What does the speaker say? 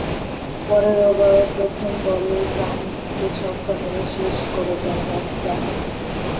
পরের ওভারের প্রথম বলেই কামিন্সকে ছক্কা মেরে শেষ করে দেন ম্যাচটা।